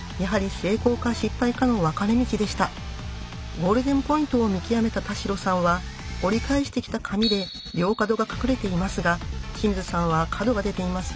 ゴールデンポイントを見極めた田代さんは折り返してきた紙で両角が隠れていますが清水さんは角が出ていますよね。